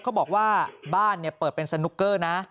เขาบอกว่าบ้านเปิดเป็นสนุกเกอร์นะ